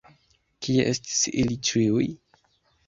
Kie estis ili ĉiuj?